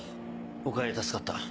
おかげで助かった。